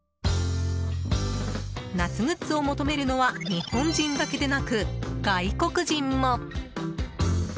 夏グッズを求めるのは日本人だけでなく、外国人も。